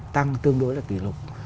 tăng tương đối là kỷ lục